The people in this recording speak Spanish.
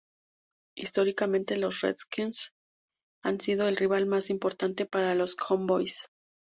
Históricamente los Redskins han sido el rival más importante para los Cowboys.